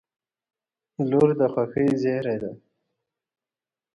• لور د خوښۍ زېری دی.